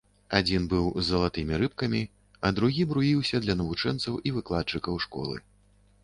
Адзін быў з залатымі рыбкамі, а другі бруіўся для навучэнцаў і выкладчыкаў школы.